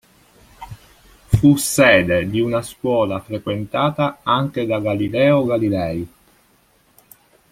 Fu sede di una scuola frequentata anche da Galileo Galilei.